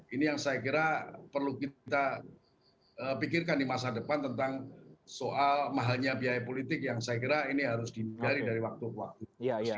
ini yang saya kira perlu kita pikirkan di masa depan tentang soal mahalnya biaya politik yang saya kira ini harus dihindari dari waktu ke waktu